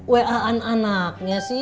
wa an anaknya sih